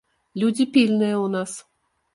Людзі пільныя ў нас.